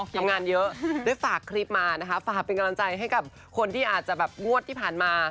ทำงานเยอะได้ฝากคลิปมานะคะฝากเป็นกำลังใจให้กับคนที่อาจจะแบบงวดที่ผ่านมา